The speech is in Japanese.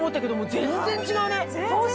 全然違う。